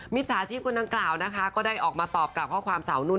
จ่าชีพคนดังกล่าวนะคะก็ได้ออกมาตอบกลับข้อความสาวนุ่น